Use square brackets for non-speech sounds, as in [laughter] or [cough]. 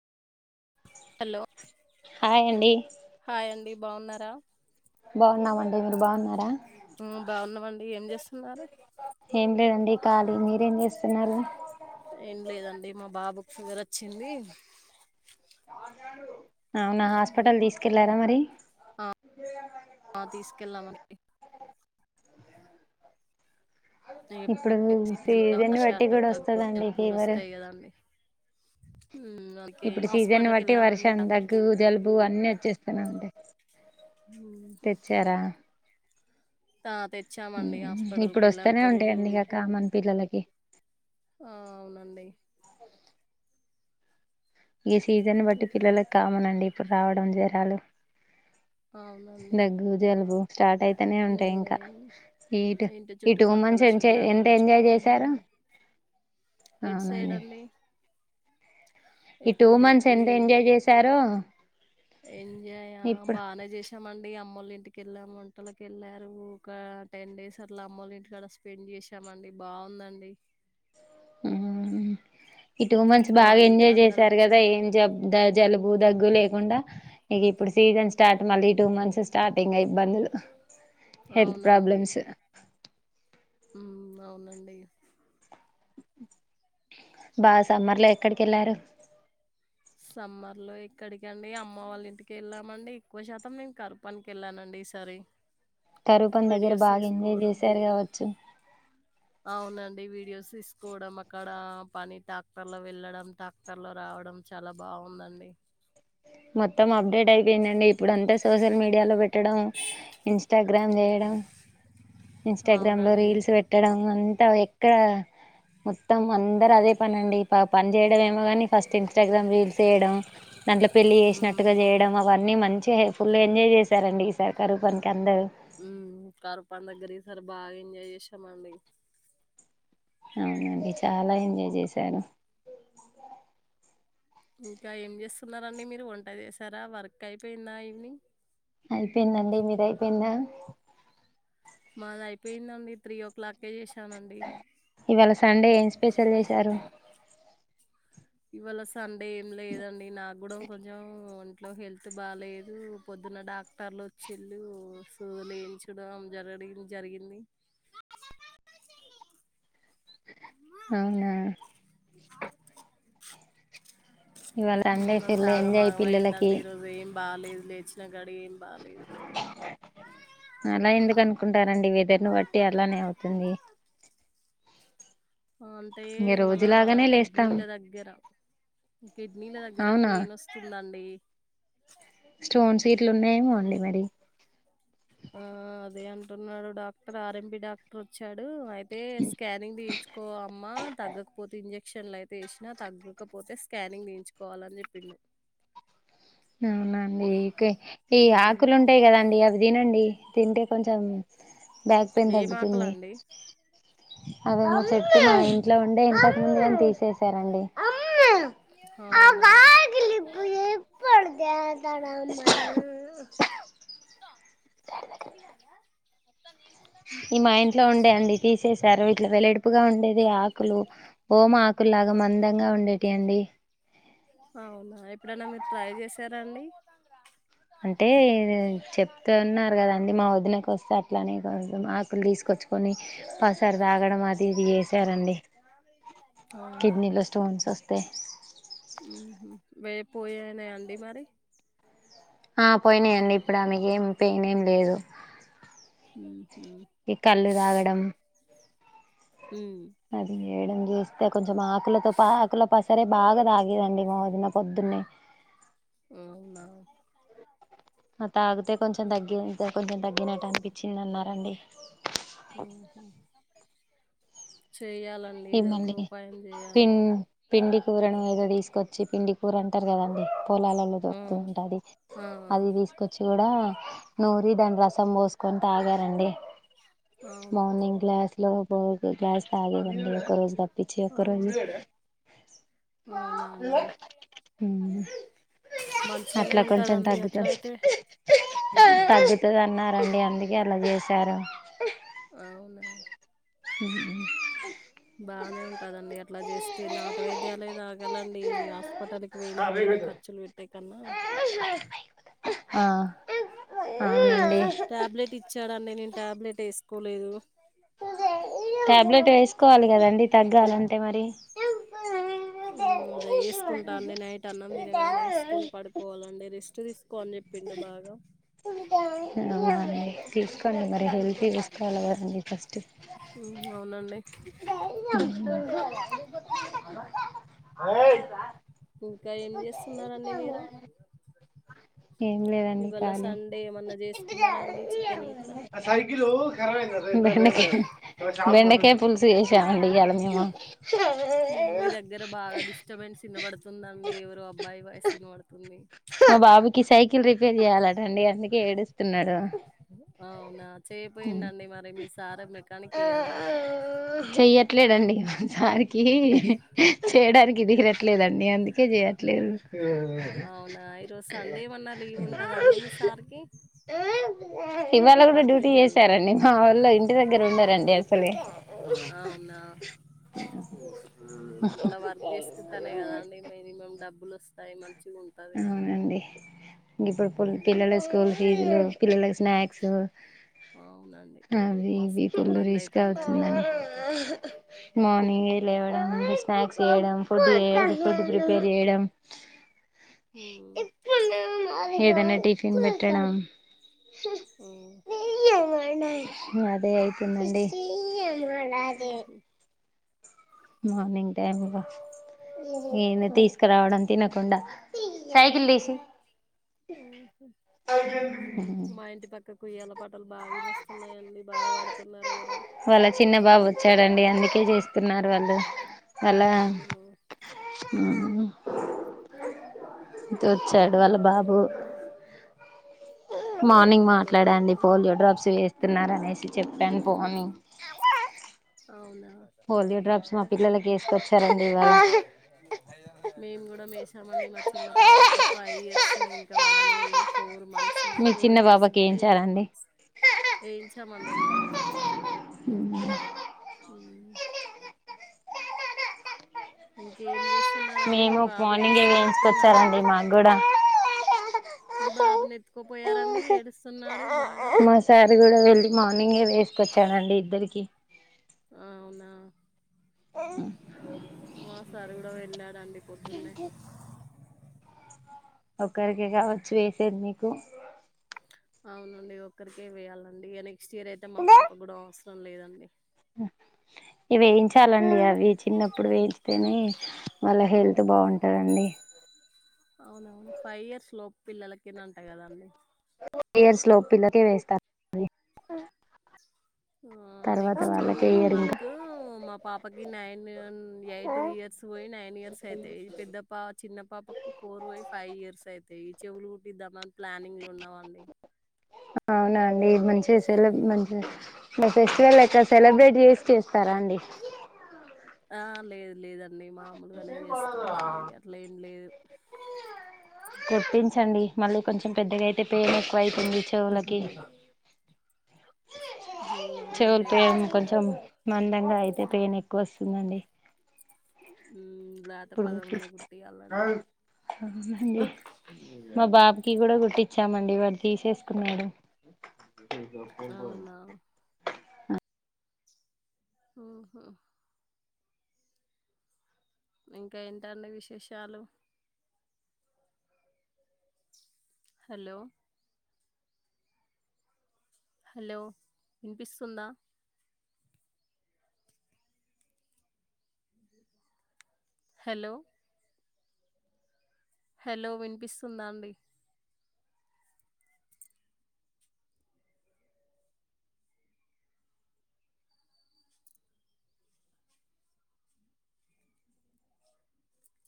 Hello hi అండి hi అండి బాగున్నారా బాగున్నామండి మీరు బాగున్నారా ఉమ్ బాగున్నామండి ఏం జేస్తున్నారు ఏం లేదండి ఖాళీ మీరేం చేస్తున్నారు ఏం లేదండి మా బాబుకు ఫివర్ వచ్చింది అవునా హాస్పిటల్ తీసుకెళ్ళారా మరి ఆ తీసుకెళ్ళామండి ఇప్పుడు ఈ సీజన్ లో బట్టి వర్షాలు కూడా వస్తదండి జలుబులు ఫీవర్ వస్తాయి గదండి ఉమ్ ఓకే ఇప్పుడు హాస్పిటల్కి యెళ్ళామండి డబ్ ఇప్పుడు అన్ని వచ్చేస్తనే ఉంటయ్ ఉమ్ తెచ్చారా ఆ తెచ్చామండి హాస్పిటల్కి ఇప్పుడు వెళ్ళా వస్తూనే తొర్రూరు ఉంటాయండి ఇక కామన్ పిల్లలకి ఆ అవునండి ఈ సీజన్ బట్టి ఉమ్, పిల్లలకి కామన్ అండి ఇప్పుడు రావడం జరాలు అవునండి దగ్గు జల్బు స్టార్ట్ అయితే అట్టనే ఉంటాయి ఇంకా ఉమ్, ఈ టూ ఇంటి ఈ టూ చుట్టుపక్కల మంత్స్ ఎంత శుభ్రంగా ఎంజాయ్ జేశారు ఉంచుకోవాలండి [inaudible] ఎటు సైడ్ అండి ఈ టూ మంత్స్ ఎంత ఎంజాయ్ జేశారో ఎంజాయా బానే జేస్ మండి అమ్మలు ఇంటికిళ్ళాము వంటలకి వెళ్ళారు ఒక టెన్ డేస్ అట్లా అమ్మలు ఇంటి కాడ స్పెండ్ చేసామండి బాగుందండి ఈ టూ మంత్స్ అక్క బాగా వాళ్ళు గిట్ల ఎంజాయ్ చేసారు కదా అందరొచ్చారు. ఏం జాబ్ ద జలుబు దగ్గు లేకుండా ఇక ఇప్పుడు సీజన్ స్టార్ట్ మళ్ళీ టూ మంత్స్ స్టార్టింగ్ ఇబ్బందులు హెల్త్ ప్రాబ్లమ్స్ ఉ అవునండి బాగా సమ్మర్ లో ఎక్కడికి వెళ్ళారు సమ్మర్ లో ఇక్కడికండి అమ్మ వాళ్ళ ఇంటికి వెళ్ళామండి ఎక్కువ శాతం నేను కరపానికి వెళ్ళానండి ఈసారి కరూపం దగ్గర వీడియోస్ బాగా ఎంజాయ్ తీసుకోవడం. చేశారు కావచ్చు అవునండి వీడియోస్ తీసుకోవడం అక్కడ పని ట్రాక్టర్ లో వెళ్ళడం ట్రాక్టర్ లో రావడం చాలా బాగుందండి మొత్తం అప్డేట్ అయిపోయిందండి ఇప్పుడు అంత సోషల్ మీడియాలో పెట్ట డం ఇంస్టాగ్రామ్ లో చేయడం ఇంస్టాగ్రామ్ లో అవునండి. రీల్స్ పెట్టడం అంతా ఎక్కడ మొత్తం అందరు అదే పని అండి పని చేయడం ఏమో కాని ఫస్ట్ ఇన్స్టాగ్రామ్ రీల్స్ వేయడం పెళ్ళి హ్మ్. చేసినట్టుగా చేయడం అవన్నీ మంచిగా ఫుల్ ఎంజాయ్ చేశారండి ఈసారి కరూ పనికి అందరు ఉ కరుపాని దగ్గర ఈ సారి బాగా ఎంజాయ్ చేసాం అండి అవునండి చాలా ఎంజాయ్ చేశారు ఇంకా ఏం చేస్తున్నారండి మీరు వంట చేశారా వర్క్ అయిపోయిందా ఈవినింగ్ అయిపోయిందండి మీరు అయిపోయిందా మాది అయిపోయిందండి త్రీ ఓ క్లాకే చేశానండి ఇవాళ సండే ఏం స్పెషల్ చేశారు ఇవాళ సండే ఏం లేదండి నాకు కూడా కొంచెం ఇంట్లో హెల్త్ బాగాలేదు పొద్దున్న డాక్ట టర్లు వచ్చిల్లు సూదులేయించడం జరగడం జరిగింది అవునా ఇవాళ సండే అంత ఫుల్ ఎంజాయ్ ఆగమాగం పిల్లలకి అయిందండి ఈరోజు ఏం బాలేదు లేచిన గడియా ఏం బాలేదు అలా ఎందుకను అనుకుంటారండి వెదర్ను బట్టి అలానే అవుతుంది అంటే ఇంక మన రోజులాగానే లేస్తాం కిడ్నీల దగ్గర కిడ్నీల దగ్గర అవునా పెయిన్ వస్తు దండి స్టోన్స్ గిట్ల ఉన్నాయేమో అండి మరి ఆ అదే అంటున్నాడు డాక్టర్ ఆర్ఎంపి డాక్టర్ వచ్చాడు అయితే స్కానింగ్ తీంచుకో అమ్మా తగ్గకపోతే ఇంజెక్షన్లు అయితే ఎంత ఏసిన తగ్గకపోతే స్కానింగ్ తీయించుకోవాలని చెప్పిండు అవునండి ఈ ఉమ్, ఆకులు ఉంటాయి కదండి అవి తినండి తింటే కొంచెం బ్యాక్ పెయిన్ ఏం తగ్గుతుంది ఆకలండి అదే చెప్పి మా ఇంట్లో ఉండే ఇంతకు ముందుగని తీసేసారండి అవునా ఆ మొత్త కట్ట దగాా మొత్తా నవు మా ఇంట్లో ఉండే అండి తీసేసారు ఇట్లా వెడల్పుగా ఉండేది ఆకులు ఓమా ఆకుల్లాగా అవును మందంగా ఉండేటివి అండి అవునా ఎప్పుడైనా మీరు ట్రై చేసారాండి అంటే చెప్తూ ఉన్నారు కదాండి మా వదినకి వస్తే అట్లానే కొంచం ఆకులు తీసుకొచ్చు కొని పసరు తాగడం అది ఇది చేసారండి అవునా కిడ్నీలో స్టోన్స్ వస్తే ఉహు వే పోయాయినా అండి మరి ఆ పోయినయండి ఇప్పుడు ఆమెకు ఏం పెయిన్ ఏం లేదు ఉహు ఈ కళ్ళు తాగడం ఉ అది చేయడం చూస్తే కొంచెం ఆకులతో పా ఆకుల పసుపు సరే బాగా తాగేదండి మా వదిన పొద్దున్నే అవునా తాగితే కొంచెం తగ్గి కొంచెం తగ్గినట్టు అనిపించింది అన్నారండి చేయాలండి ఈ ఏదో ఒక మళ్ళీ ఉపాయం చేయాలి పిం పిండి కూరను ఇగ తీసుకొచ్చి పిండి కూర అంటారు కదండి పొలాలలో ఆ దొరుతుంటాది ఆ అది తీసుకొచ్చి కూడా నూరి దాని రసం పోసు కొని తాగారండి అవునా మార్నింగ్ గ్లాస్ లో ఒక గ్లాస్ తాగేదండి ఒకరోజు తప్పిచి ఒకరోజు అవు అవునా ఉ అండి మంచిగానే అట్లా కొంచెం ఉంటదండి తగ్గుతది అట్లయితే తగ్గుతది అన్నారండి అందుకే అలా చేశారు అవునా ఉ బానే ఉంటదండి అట్లా చేస్తే నాటు వైద్యాలే తాగలండి ఈ హాస్పిటల్ వేలకు వేలు ఖర్చులు పెట్టేకన్నా ఆ అవునండి టాబ్లెట్ ఇచ్చాడండి నేను టాబ్లెట్ వేసుకోలేదు టాబ్లెట్ వేసుకోవాలి కదండి తగ్గాలంటే మరి ఉమ్ అదే వేసుకుంటా అండి నైట్ అన్నం తినగానే వేసుకొని పడుకోవాలండి రెస్ట్ తీసుకు కో అని చెప్పిండు బాగా అవునా అండి తీసుకోండి మరి హెల్తీ తీసుకావాల కదండి ఫస్ట్ ఉ అవునండి అ ఇంకా ఏం చేస్తున్నారండి మీరు ఏం లేదండి ఇవాళ ఖాళీ సండే ఏమన్న చేసుకున్నారా అండి చికెన్ గిట్లా బెండకాయ బెండకాయ పుల్సు చేశామండి ఇయ్యాల మేము మీ దగ్గర బాగా డిస్టబెన్స్ వినబడుతుందండి ఎవరో అబ్బాయి వాయిస్ వినబడుతుంది ఆ బాబుకి సైకిల్ రిపేర్ చెయాలటండి అందుకే ఏడుస్తున్నాడు అవునా చేయపోయిండండి మరి మీ సార్ మెకానికే కదా చెయ్య ట్లేదండి మా సారి కీ చేయడానికి తీరట్లేదండి అందుకే చేయట్లేదు అవునా ఈరోజు సండేమన్నా లీవ్ ఉంటదా అండి మీ సార్కి ఇవాళ కూడా డ్యూటీ వర్క్కి వెళ్ళా చేశారండి మావొళ్ళు ఇంటి దగ్గర ఉండరండి అసలే అవునా అ అట్లా వర్క్ చేసుకుంటానే కదా అండి మినిమం డబ్బులు వస్తాయి మంచిగా ఉంటది అండి ఇంగ ఇప్పుడు పి ఉమ్ పిల్లల స్కూల్ ఫీజు పిల్లలకి స్నాక్స్ అవునండి అవి ఇవి మస్తు పుల్లు ఇబ్బంది రిస్క్ అయితుందండి అవుతుందని మాకైతే మార్నింగే లేవడం స్నాక్స్ చేయడం ఫుడ్ చేయడం ఫుడ్ ప్రిపేర్ చేయడం ఉమ్ ఏదనా టిఫిన్ పెట్టడం ఉమ్ అదే అయితుందండి ఉహు మార్నింగ్ టైమ్ లో నేను తీసుకురావడం తినకుండా సైకిల్ తీసి ఉమ్ హు మా ఇంటి పక్కకుయ్యల పాటలు బాగా ఇనోస్తున్నాయండి బాగా పాడుతున్నారు ఎవరో వాళ్ళ చిన్న బాబు వచ్చాడండి అందుకే చేస్తున్నారు వాళ్ళు అలా అవును ఉమ్ తోచ్చాడు వాళ్ళ బాబు బాగుందండి మార్నింగ్ భలే మాట్లాడ అండి పోలియో పాడుతుందండి డ్రాప్స్ వేస్తున్నారు అనేసి చెప్పాను పోనీ అవునా పోలియో డ్రాప్స్ మా పిల్లలకు ఏసుకొచ్చారండి ఇవ్వాలా మేము కూడా మే చామండి మా చిన్న పాపకి ఫైవ్ ఇయర్స్ ఇంకా పడలేదు ఫోర్ మంత్స్ మీ ఫోర్ చిన్న పాపకి ఏంచేయాలండి ఏయించామండి మేము కూడా ఉమ్ ఉమ్ ఇంకేం చేస్తున్నారండి మీ మేము బాబ్ మార్నింగే ఏడుస్తున్నట్టున్నాడు వేయించుకొచ్చారండి మాకు కూడా మీ బాబుని ఎత్తుకోపోయారండి ఏడుస్తున్నాడు బాగా మా సార్ కూడా వెళ్ళి మార్నింగే వేసుకొచ్చానండి ఇద్దరికి ఆ అవునా మా సార్ కూడా వెళ్ళాడండి పొద్దున్నే ఒకరికి రావచ్చు వేసేది మీకు అవునండి ఒక్కరికేమి వెయ్యాలండి ఇగ నెక్స్ట్ ఇయర్ అయితే మా పాప కూడా అవసరం లేదండి ఇవి వేయించాలండి అవి చిన్నప్పుడు వేయించితేనే వాళ్ళ హెల్త్ అవునండి బాగుంటదండి అవున అవును ఫైవ్ ఇయర్స్ లోపు పిల్లలకే నంట కదండి ఫైవ్ ఇయర్స్ లోపే పిల్లలకే వేస్తారు అండి ఆ నెక్స్ట్ వాళ్ళకే ఇయర్ ఇంకా మంత్ మా పాపకి nine eight and the years పోయి నైన్ ఇయర్స్ అయితయ్ పెద్ద పాప చిన్న పాపకు ఫోర్ పోయి ఫైవ్ ఇయర్స్ అయితాయి ఈ చెవులు కుట్టిద్దామని ప్లానింగ్లు ఉన్నామండి అవునా అండి మంచిగా సెలెబ్ మంచి ఇంగ ఫెస్టివల్ ఎక్కడ సెలబ్రేట్ చేసి చేస్తారా అండి ఆ లేదు లేదండి మామూలుగానే చేస్తామండి అట్లా ఏం లేదు కుట్టించండి మళ్ళీ కొంచెం పెద్దగా అయితే పెయిన్ ఎక్కువ అయితుంది చెవులకి హల్ చెవులు అవునండి అదే పెయిన్ చెయాలి కొంచెం ఇగ మందంగా అయితే పెయిన్ ఎక్కువ వస్తుందండి మ్మ్ లేత పదమున్న కుట్టియాలనండి అవున్లే మా బాబుకి కూడా కుట్టిచ్చామండి వాడు తీసేసుకున్నాడు అవునా మ్మ్ హు ఇంకా ఏంటండి విశేషాలు హలో హలో వినిపిస్తుందా హలో హలో వినిపిస్తుందా అండి